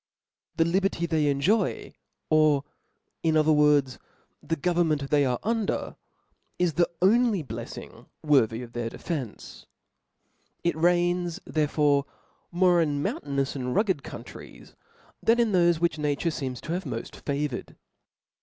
Thef liberty they enjoy, or in other words, the govern ment they are under, is the only bleffing worthy of their defence. It reigns therefore more in moun tainous add rugged countries, than in thofe which nature feems to have moft favoured.